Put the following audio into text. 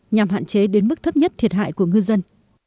nhằm hạn chế đến mức thấp nhất thiệt hại của ngư dân